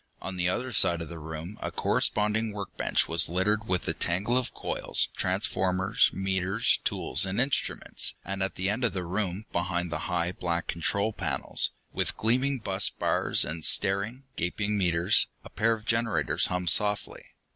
On the other side of the room a corresponding workbench was littered with a tangle of coils, transformers, meters, tools and instruments, and at the end of the room, behind high black control panels, with gleaming bus bars and staring, gaping meters, a pair of generators hummed softly.